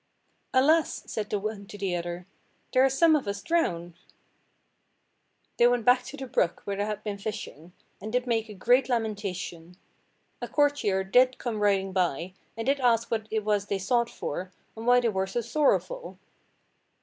"Alas!" said the one to the other, "there is some one of us drowned." They went back to the brook where they had been fishing, and did make a great lamentation. A courtier did come riding by, and did ask what it was they sought for, and why they were so sorrowful.